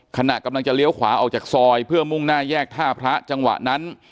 ขณะกำลังจะเลี้ยวขวาออกจากซอยเพื่อมุ่งหน้าแยกท่าพระจังหวะนั้น